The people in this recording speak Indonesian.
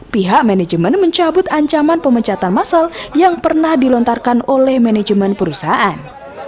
pihak manajemen mencabut ancaman pemecatan masal yang pernah dilontarkan oleh manajemen perusahaan